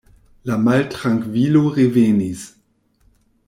La maltrankvilo revenis.